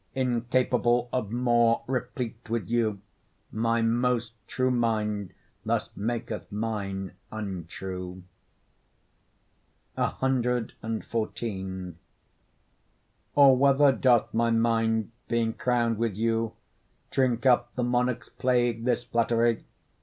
Incapable of more, replete with you, My most true mind thus maketh mine untrue. CXIV Or whether doth my mind, being crown'd with you, Drink up the monarch's plague, this flattery?